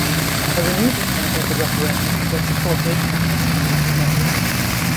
A renewed attempt at the referendum was supported at this political level.